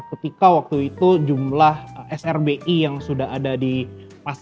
ketika waktu itu jumlah srbi yang sudah ada di pasar